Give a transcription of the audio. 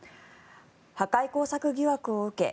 破壊工作疑惑を受け